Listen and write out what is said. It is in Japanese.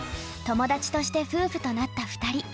友達として夫婦となった２人。